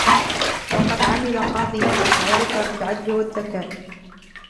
وقد عمل قاضياً فعُرف بالعدل والذكاء.